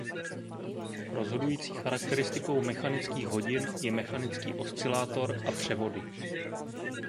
Rozhodující charakteristikou mechanických hodin je mechanický oscilátor a převody.